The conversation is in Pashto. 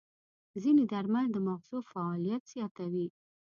ځینې درمل د ماغزو فعالیت زیاتوي.